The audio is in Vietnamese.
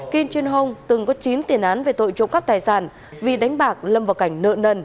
kim trinh hồng từng có chín tiền án về tội trộm cắp tài sản vì đánh bạc lâm vào cảnh nợ nần